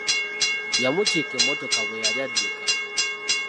Yamukiika emmotoka bwe yali adduka.